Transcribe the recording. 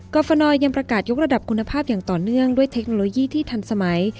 ฟนยังประกาศยกระดับคุณภาพอย่างต่อเนื่องด้วยเทคโนโลยีที่ทันสมัย